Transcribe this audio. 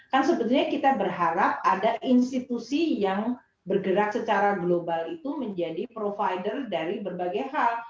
kan sebetulnya kita berharap ada institusi yang bergerak secara global itu menjadi provider dari berbagai hal